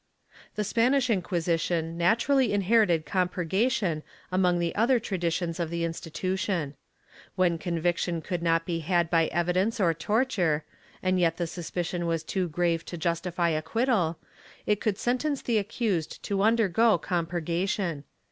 The Spanish Inquisition naturally inherited compurgation among the other traditions of the institution. When conviction could not be had by evidence or torture, and yet the suspicion was too grave to justify acquittal, it could sentence the accused to undergo compurgation.